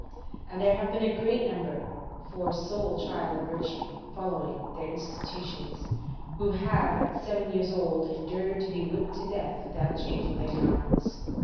And there have been a great number, for a sole trial of virtue, following their institutions, who have at seven years old endured to be whipped to death without changing their countenance.